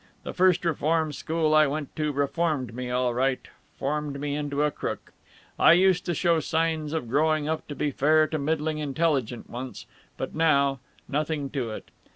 The first reform school I went to reformed me, all right formed me into a crook. I used to show signs of growing up to be fair to middling intelligent, once. But now nothing to it.